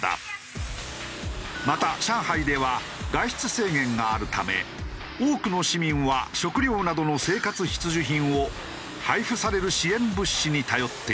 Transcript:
また上海では外出制限があるため多くの市民は食料などの生活必需品を配布される支援物資に頼っている。